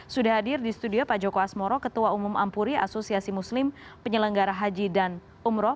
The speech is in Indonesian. sudah hadir di studio pak joko asmoro ketua umum ampuri asosiasi muslim penyelenggara haji dan umroh